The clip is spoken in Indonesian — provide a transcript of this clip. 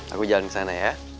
aku jalan kesana ya